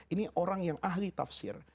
ini orang yang ahli tafsir